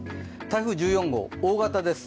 台風１４号、大型です。